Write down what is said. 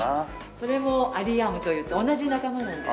それもアリウムといって同じ仲間なんです。